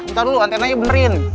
bentar dulu antenanya benerin